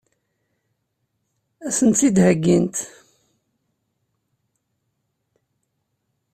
Ad sent-tt-id-heggint?